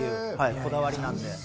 こだわりなんで。